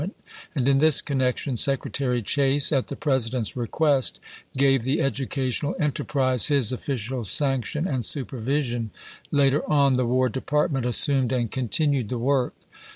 ment, and in this connection Secretary Chase, at the President's request, gave the educational enter prise his official sanction and supervision; later on, the War Department assumed and continued the work.